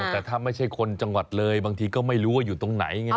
แต่ถ้าไม่ใช่คนจังหวัดเลยบางทีก็ไม่รู้ว่าอยู่ตรงไหนไง